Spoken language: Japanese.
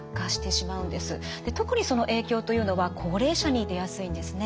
特にその影響というのは高齢者に出やすいんですね。